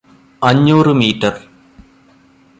അഞ്ഞൂറ് മീറ്റർ